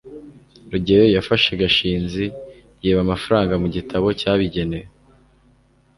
rugeyo yafashe gashinzi yiba amafaranga mu gitabo cyabigenewe